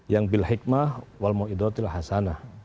yang bilhikmah wal mu'idatil hasanah